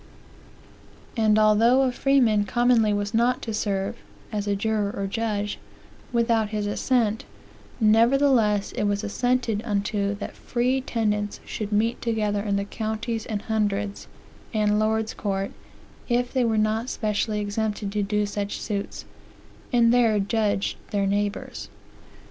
"And although a freeman commonly was not to serve (as a juror or judge) without his assent, nevertheless it was assented unto that free tenants should meet together in the counties and hundreds, and lords courts, if they were not specially exempted to do such suits, and there judged their neighbors."